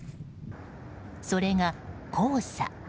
それが黄砂。